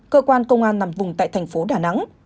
cơ quan công an nằm vùng tại thành phố đà nẵng